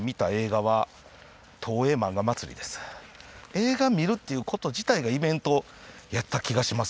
映画見るっていうこと自体がイベントやった気がします。